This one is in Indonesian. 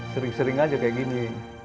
sering sering aja kayak gini